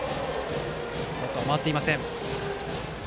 バットは回っていません。